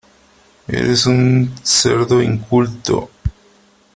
Eres un cerdo inculto .